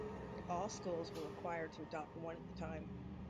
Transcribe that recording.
All schools were required to adopt one at the time.